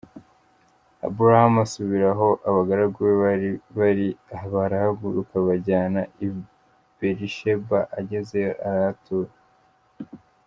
Aburahamu asubira aho abagaragu be bari, barahaguruka bajyana i Berisheba, agezeyo arahatura.